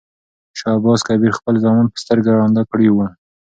شاه عباس کبیر خپل زامن په سترګو ړانده کړي ول.